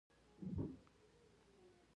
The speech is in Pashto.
ژبې د افغان کورنیو د دودونو مهم عنصر دی.